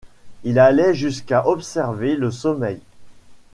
Il allait jusqu’à observer le sommeil.